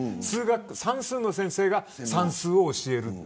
算数の先生が算数を教える。